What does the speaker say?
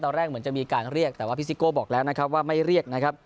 ตอนแรกเหมือนจะมีการเรียกแต่ว่าพี่ซิโก้บอกแล้วนะครับว่าไม่เรียกนะครับ